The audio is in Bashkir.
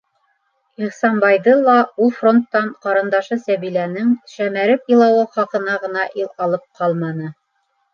Ихсанбайҙы ла ул фронттан ҡарындашы Сәбиләнең шәмәреп илауы хаҡына ғына алып ҡалманы.